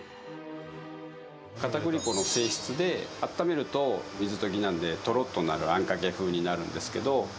かたくり粉の性質で温めると、水溶きなのでとろっとなるあんかけ風になるんですけど